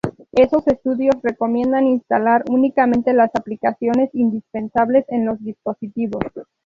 Esos estudios recomiendan instalar únicamente las aplicaciones indispensables en los dispositivos.